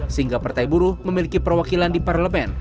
sehingga partai buruh memiliki perwakilan di parlemen